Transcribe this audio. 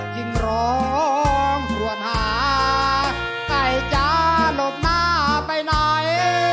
ยิ่งร้องห่วงหาใกล้จะหลบหน้าไปไหน